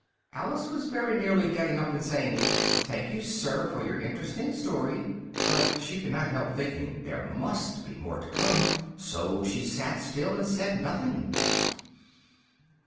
Alice was very nearly getting up and saying, "thank you, sir, for your interesting story," but she could not help thinking there must be more to come, so she sat still and said nothing.